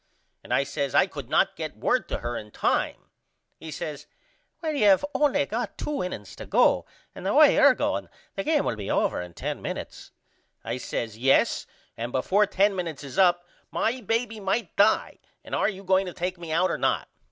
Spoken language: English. And I says I could not get word to her in time. He says Well you have only got two innings to go and the way your going the game will be over in 10 minutes. I says Yes and before 10 minutes is up my baby might die and are you going to take me out or not?